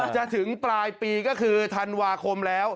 ถึงปลายปีก็คือธันวาคมแล้ว